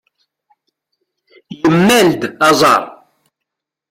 Yemmal-d aẓar.